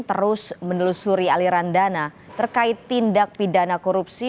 terus menelusuri aliran dana terkait tindak pidana korupsi